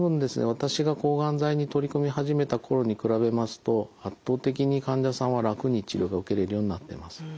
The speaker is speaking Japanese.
私が抗がん剤に取り組み始めた頃に比べますと圧倒的に患者さんは楽に治療が受けれるようになってます。